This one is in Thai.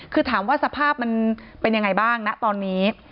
คือถามว่าสภาพมันเป็นยังไงบ้างนะตอนนี้